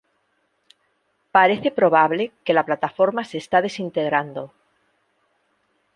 Parece probable que la plataforma se está desintegrando.